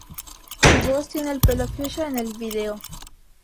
T-Boz tiene el pelo fucsia en el vídeo.